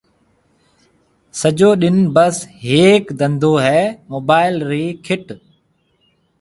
سجو ڏِن بس ھيَََڪ دنڌو ھيََََ موبائل رِي کِٽ